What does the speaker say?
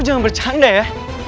lo jangan bercanda ya